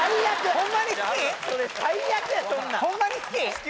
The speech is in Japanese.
ホンマに好き？